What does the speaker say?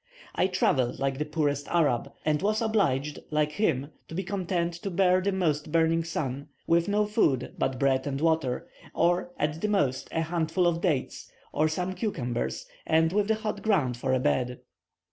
I travelled like the poorest Arab, and was obliged, like him, to be content to bear the most burning sun, with no food but bread and water, or, at the most, a handful of dates, or some cucumbers, and with the hot ground for a bed.